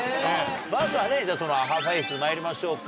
まずはねそのアハフェイスまいりましょうか。